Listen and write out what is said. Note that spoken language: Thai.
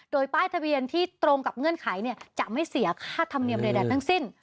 โดยป้ายทะเบียนที่ตรงกับเงื่อนไขจะไม่เสียค่าธรรมเนียมใดทั้งสิ้น